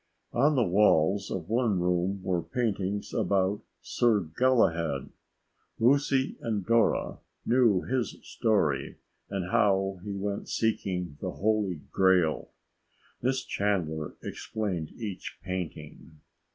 On the walls of one room were paintings about Sir Galahad. Lucy and Dora knew his story and how he went to seek the Holy Grail. Miss Chandler explained each painting.